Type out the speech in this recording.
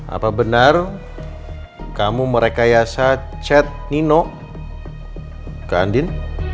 apa benar kamu merekayasa chat nino ke andin